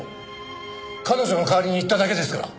彼女の代わりに言っただけですから。